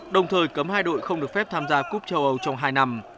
đồng thời cấm hai đội không được phép tham gia cúp châu âu trong hai năm